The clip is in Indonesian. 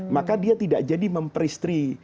maka dia tidak jadi memperistri